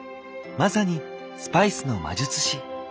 まさに「スパイスの魔術師」。